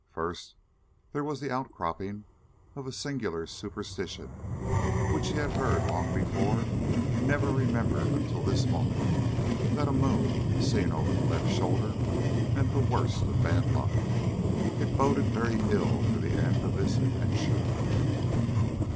First there was the outcropping of a singular superstition which he had heard long before and never remembered until this moment: that a moon seen over the left shoulder meant the worst of bad luck. It boded very ill for the end of this adventure.